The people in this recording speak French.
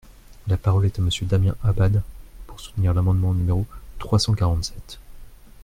La parole est à Monsieur Damien Abad, pour soutenir l’amendement numéro trois cent quarante-sept.